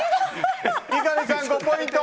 三上さん、５ポイント。